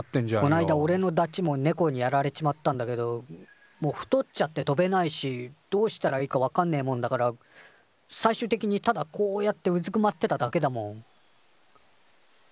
こないだおれのダチもネコにやられちまったんだけどもう太っちゃって飛べないしどうしたらいいかわかんねえもんだから最終的にただこうやってうずくまってただけだもん。